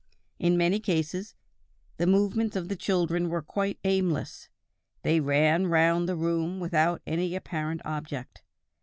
In many cases, the movements of the children were quite aimless, they ran round the room without any apparent object.